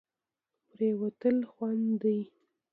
پرېوتل خوند دی.